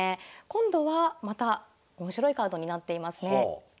今度はまた面白いカードになっていますね。